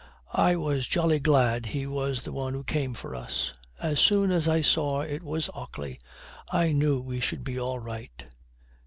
I was jolly glad he was the one who came for us. As soon as I saw it was Ockley I knew we should be all right.'